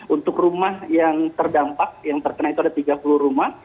untuk rumah yang terdampak yang terkena itu ada tiga puluh rumah